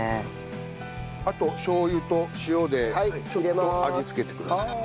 あとしょう油と塩でちょっと味付けてください。